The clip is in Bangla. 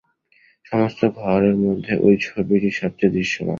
সমস্ত ঘরের মধ্যে ঐ ছবিটিই সব চেয়ে দৃশ্যমান।